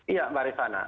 iya pak rifara